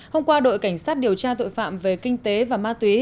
hôm qua đội cảnh sát điều tra tội phạm về kinh tế và ma túy